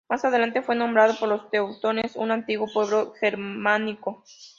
Más adelante fue nombrado por los teutones, un antiguo pueblo germánico.